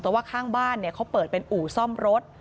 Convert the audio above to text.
แต่ว่าข้างบ้านเขาเปิดเป็นอู่ซ่อมรถ